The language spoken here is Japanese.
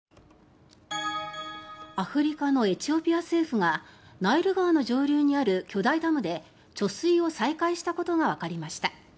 アフリカのエチオピア政府がナイル川の上流にある巨大ダムで貯水を再開したことがわかりました。